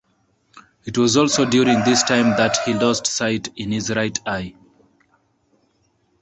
It was also during this time that he lost sight in his right eye.